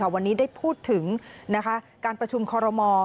วันนี้ได้พูดถึงการประชุมคอรมอ